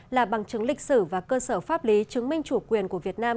là bằng chứng lịch sử và cơ sở pháp lý chứng minh chủ quyền của việt nam